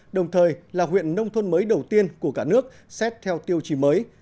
đồng thời là huyện nông thôn mới đầu tiên của cả nước xét theo tiêu chí mới